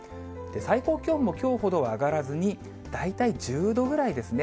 最高気温もきょうほどは上がらずに、大体１０度ぐらいですね。